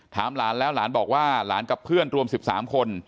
ถามหลานแล้วหลานบอกว่าหลานกับเพื่อนรวม๑๓คน